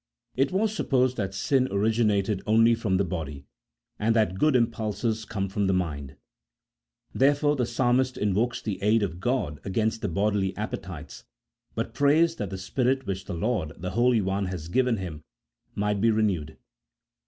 It was supposed that sin origi nated only from the body, and that good impulses come from the mind ; therefore the Psalmist invokes the aid of God against the bodily appetites, but prays that the spirit which the Lord, the Holy One, had given him might be re newed.